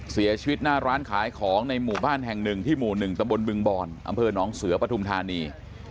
เสียชีวิตหน้าร้านขายของในหมู่บ้านแห่งหนึ่งที่หมู่๑ตำบลบึงบอนอำเภอหนองเสือปฐุมธานี